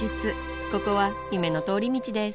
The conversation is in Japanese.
ここは夢の通り道です